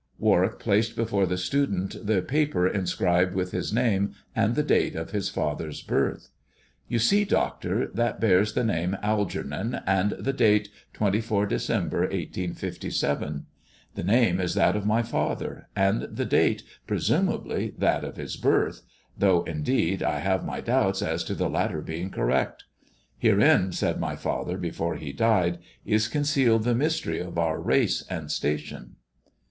Warwick placed before the student the paper inscribed with his name and the date of his father's birth. " You see, doctor, that bears the name ' Algernon ' and the date * 24 December, 1857.' The name is that of my father, and the date presumably that of his birth — though, THE dwarf's chambeb 57 t indeed, I have my doubts as to the latter being correct. Herein, said my father before he died, is concealed the mystery of our race and station."